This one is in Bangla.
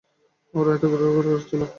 ওরা এত আগ্রহ করে খাচ্ছিল।